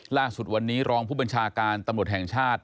ล่าสุดวันนี้รองผู้บัญชาการตำรวจแห่งชาติ